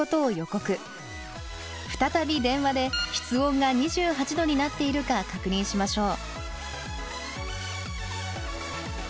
再び電話で室温が２８度になっているか確認しましょう。